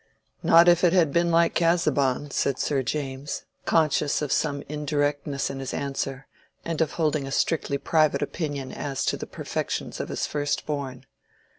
"Not if it had been like Casaubon," said Sir James, conscious of some indirectness in his answer, and of holding a strictly private opinion as to the perfections of his first born.